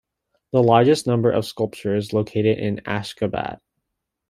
The largest number of sculptures located in Ashgabat.